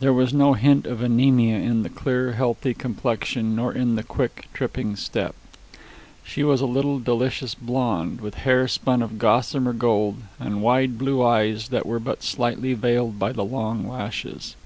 There was no hint of anemia in the clear, healthy complexion nor in the quick, tripping step. She was a little, delicious blond, with hair spun of gossamer gold and wide blue eyes that were but slightly veiled by the long lashes.